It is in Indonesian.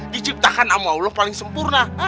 diciptakan sama allah paling sempurna